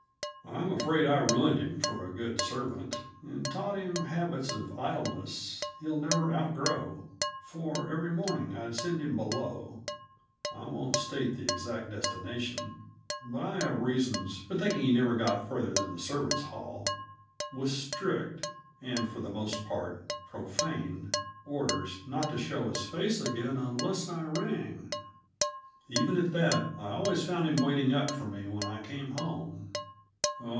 I'm afraid I ruined him for a good servant, and taught him habits of idleness he'll never outgrow; for every morning I'd send him below I won't state the exact destination, but I have reasons for thinking he never got farther than the servants' hall with strict and for the most part profane orders not to show his face again unless I rang. Even at that, I always found him waiting up for me when I came home.